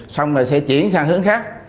xong rồi sẽ chuyển sang hướng khác